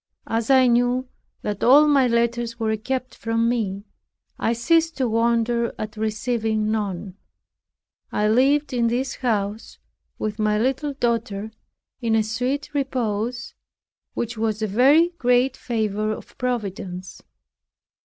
As I knew that all my letters were kept from me, I ceased to wonder at receiving none. I lived in this house with my little daughter in a sweet repose, which was a very great favor of Providence.